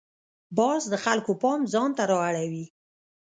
باز د خلکو پام ځان ته را اړوي